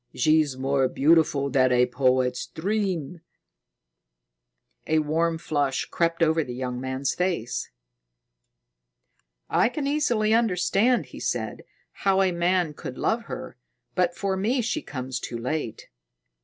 She's more beautiful than a poet's dream." A warm flush crept over the young man's face. "I can easily understand," he said, "how a man could love her, but for me she comes too late."